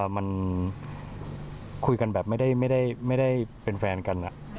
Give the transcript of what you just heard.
มันคุยกันแบบไม่ได้เป็นแฟนกัน